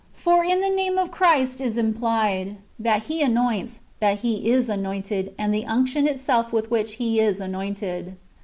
For in the name of Christ is implied. He that anoints. He that is anointed, and the unction itself with which He is anointed.